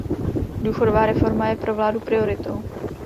Důchodová reforma je pro vládu prioritou.